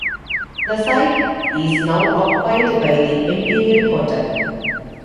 The site is now occupied by the Imperial Hotel.